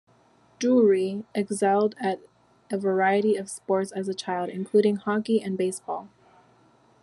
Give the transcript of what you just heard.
Drury excelled at a variety of sports as a child, including hockey and baseball.